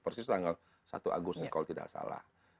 persis tanggal satu agustus kalau tidak salah